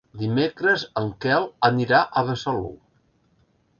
Dimecres en Quel anirà a Besalú.